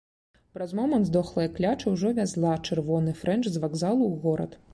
Праз момант здохлая кляча ўжо вязла чырвоны фрэнч з вакзалу ў горад.